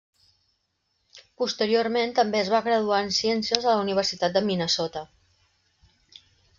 Posteriorment també es va graduar en ciències a la Universitat de Minnesota.